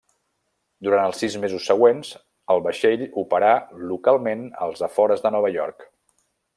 Durant els sis mesos següents, el vaixell operà localment als afores de Nova York.